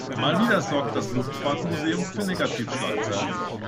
Mal wieder sorgt das Luftfahrtmuseum für Negativschlagzeilen.